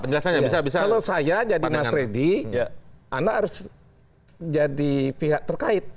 kalau saya jadi mas reddy anda harus jadi pihak terkait